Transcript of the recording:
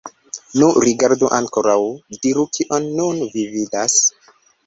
Nu, rigardu ankoraŭ, diru, kion nun vi vidas?